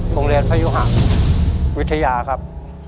โรงเรียนพยุหะวิทยาครับ